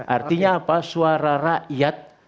artinya apa suara rakyat